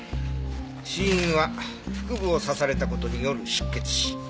死因は腹部を刺された事による失血死。